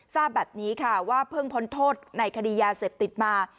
ทราบแบบนี้ค่ะว่าเพิ่งพ้นโทษในคดียาเสพติดมา